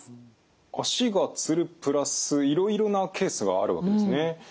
足がつる＋いろいろなケースがあるわけですね。